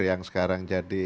yang sekarang jadi